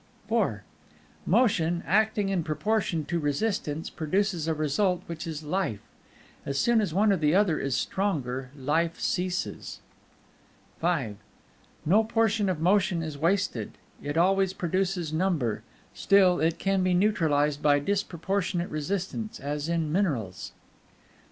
IV Motion, acting in proportion to Resistance, produces a result which is Life. As soon as one or the other is the stronger, Life ceases. V No portion of Motion is wasted; it always produces number; still, it can be neutralized by disproportionate resistance, as in minerals.